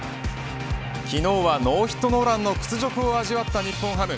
昨日はノーヒットノーランの屈辱を味わった日本ハム。